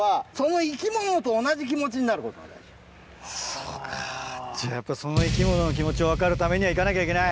そうかじゃあやっぱその生き物の気持ちを分かるためには行かなきゃいけない。